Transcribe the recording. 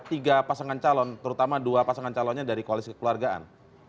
tiga pasangan calon terutama dua pasangan calonnya dari koalisi kekeluargaan